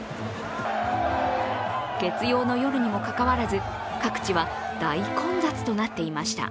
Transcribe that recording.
月曜の夜にもかかわらず、各地は大混雑となっていました。